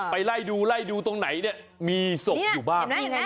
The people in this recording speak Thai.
ไปไล่ดูตรงไหนมีศพอยู่บ้าง